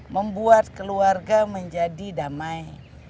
membuat keluarga menjadi damai